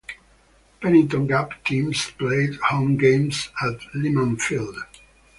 Pennington Gap teams played home games at Leeman Field.